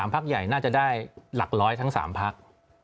พักใหญ่น่าจะได้หลักร้อยทั้ง๓พัก